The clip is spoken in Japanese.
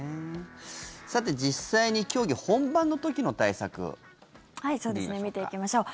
実際に競技本番の時の対策見ていきましょうか。